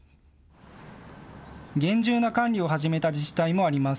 厳重な管理を始めた自治体もあります。